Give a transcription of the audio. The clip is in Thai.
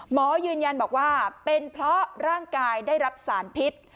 หมอยืนยันบอกว่าเป็นเพราะร่างกายได้รับสารพิษ